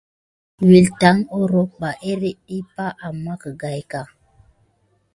Wine tät óroko ɓa éyérne ɗi pay ama kedanga.